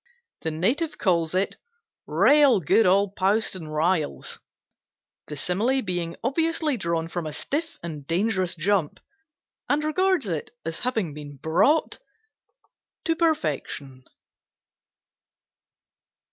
The native calls it "real good old post and rails," the simile being obviously drawn from a stiff and dangerous jump, and regards it as having been brought to perfection.